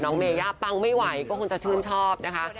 เมย่าปังไม่ไหวก็คงจะชื่นชอบนะคะ